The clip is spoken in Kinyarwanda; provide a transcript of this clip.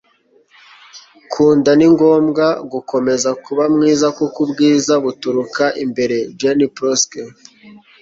kunda. ni ngombwa gukomeza kuba mwiza kuko ubwiza buturuka imbere. - jenn proske